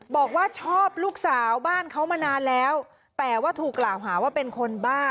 บอกว่าชอบลูกสาวบ้านเขามานานแล้วแต่ว่าถูกกล่าวหาว่าเป็นคนบ้า